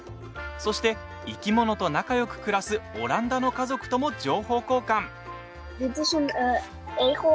そして、生き物と仲よく暮らすオランダの家族とも情報交換。